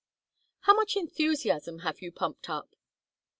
"How much enthusiasm have you pumped up?"